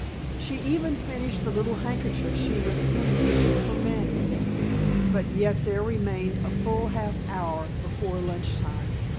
She even finished the little handkerchief she was hemstitching for Manny, but yet there remained a full half hour before lunch time.